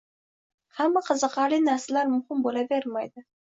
Hamma qiziqarli narsalar muhim bo‘lavermaydi.